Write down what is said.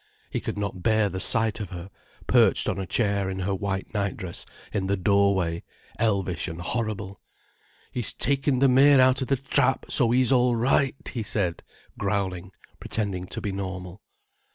He could not bear the sight of her, perched on a chair in her white nightdress in the doorway, elvish and horrible. "He's taken the mare out of the trap, so he's all right," he said, growling, pretending to be normal.